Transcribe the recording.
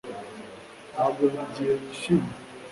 Ntabwo buri gihe yishimye